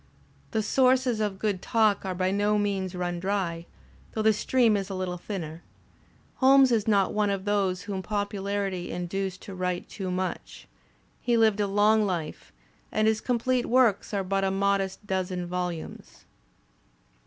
The sources of good talk are by no means run dry, though the stream is a little thinner. Holmes is not one of those whom popu larity induced to write too much. He lived a long life, and his complete works are but a modest dozen volumes.